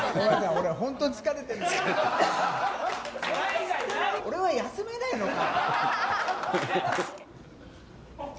俺は休めないのか。